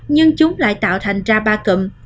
nhưng chúng lại tạo thành ra ba cụm